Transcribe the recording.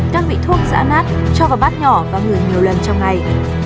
các vị thuốc dã nát cho vào bát nhỏ và gửi nhiều lần trong ngày